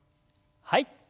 はい。